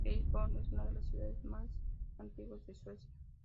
Helsingborg es una de las ciudades más antiguas de Suecia.